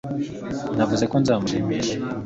Navuze ko nzamushimisha